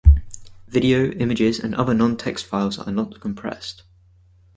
Video, images, and other non-text files are not compressed.